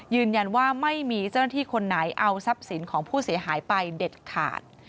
ยืนยันว่าไม่มีเจ้าหน้าที่คนไหนเอาทรัพย์สินของผู้เสียหายไปเด็ดขาด